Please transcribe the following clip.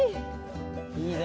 いいね。